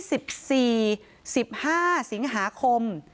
สิงหาคม